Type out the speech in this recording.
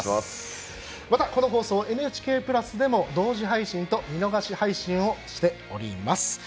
またこの放送「ＮＨＫプラス」でも同時配信と見逃し配信をしております。